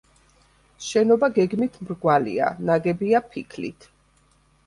შენობა გეგმით მრგვალია, ნაგებია ფიქლით.